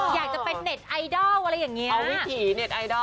อยากจะเป็นเน็ตไอดอลอะไรอย่างนี้